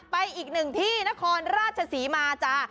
ไปอีกหนึ่งที่นครราชศรีมาจ้า